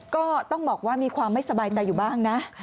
ก็ต้องบอกว่ามีความไม่สบายใจอยู่บ้างนะ